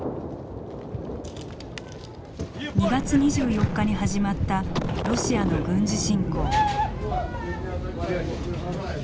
２月２４日に始まったロシアの軍事侵攻。